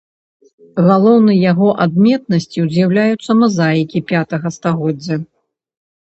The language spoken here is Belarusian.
Галоўнай яго адметнасцю з'яўляюцца мазаікі пятага стагоддзя.